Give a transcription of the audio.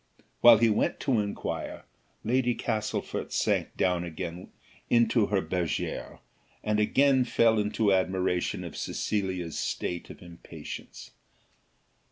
While he went to inquire, Lady Castlefort sank down again into her bergère, and again fell into admiration of Cecilia's state of impatience.